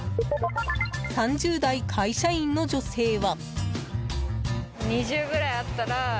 ３０代会社員の女性は。